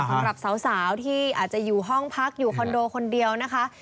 สำหรับสาวที่อาจจะอยู่ห้องพักอยู่คอนโดคนเดียวนะคะ